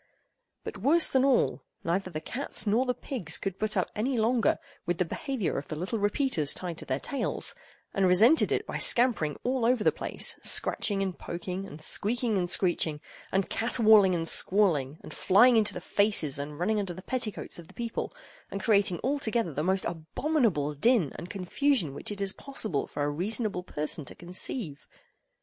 But, worse than all, neither the cats nor the pigs could put up any longer with the behavior of the little repeaters tied to their tails, and resented it by scampering all over the place, scratching and poking, and squeaking and screeching, and caterwauling and squalling, and flying into the faces, and running under the petticoats of the people, and creating altogether the most abominable din and confusion which it is possible for a reasonable person to conceive.